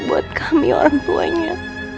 buat kami orang tuanya